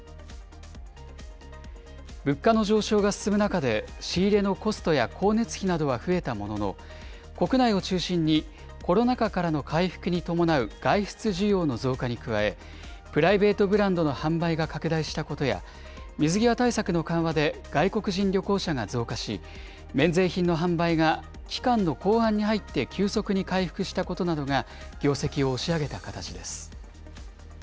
物価の上昇が進む中で、仕入れのコストや光熱費などは増えたものの、国内を中心にコロナ禍からの回復に伴う外出需要の増加に加え、プライベートブランドの販売が拡大したことや、水際対策の緩和で外国人旅行者が増加し、免税品の販売が期間の後半に入って急速に回復したことなどが業績を押し上げた形です。